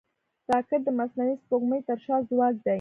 راکټ د مصنوعي سپوږمکۍ تر شا ځواک دی